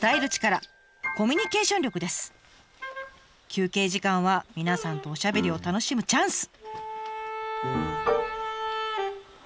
休憩時間は皆さんとおしゃべりを楽しむチャンス！